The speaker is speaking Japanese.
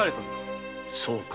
そうか。